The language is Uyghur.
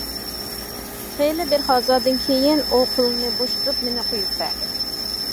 خېلى بىر ھازادىن كېيىن، ئۇ قولىنى بوشىتىپ مېنى قويۇپ بەردى.